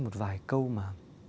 một vài câu mà